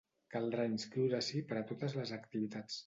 Caldrà inscriure-s’hi per a totes les activitats.